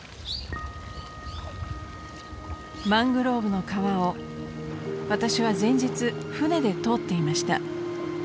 ［マングローブの川を私は前日船で通っていました］